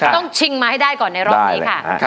ชิงมาให้ได้ก่อนในรอบนี้ค่ะ